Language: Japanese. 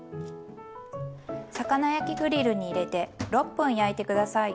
魚焼きグリルに入れて６分焼いて下さい。